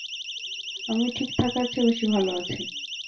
আমি ঠিক থাকার থেকেও বেশী ভালো আছি।